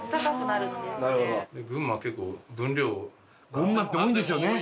群馬って多いんですよね。